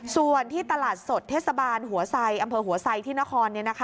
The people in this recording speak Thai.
ส่วนที่ตลาดสดเทศบาลหัวไซอำเภอหัวไซที่นคร